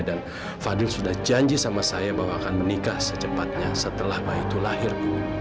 dan fadil sudah janji sama saya bahwa akan menikah secepatnya setelah bayi itu lahir bu